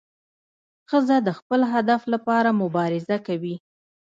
ښځه د خپل هدف لپاره مبارزه کوي.